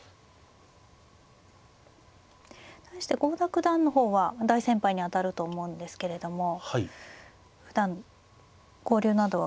対して郷田九段の方は大先輩にあたると思うんですけれどもふだん交流などはございますか。